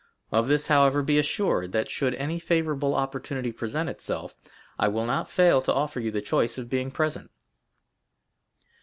Of this, however, be assured, that should any favorable opportunity present itself, I will not fail to offer you the choice of being present."